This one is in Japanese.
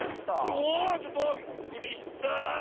うおちょっとびっくりしたあ。